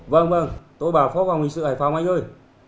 vâng vâng tôi bảo phó phòng hình sự hải phòng anh ơi